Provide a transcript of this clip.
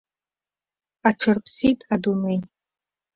Аҽарԥсит адунеи.